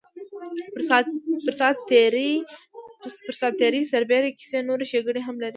پر ساعت تېرۍ سربېره کیسې نورې ښیګڼې هم لري.